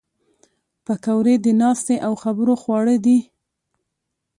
پکورې د ناستې او خبرو خواړه دي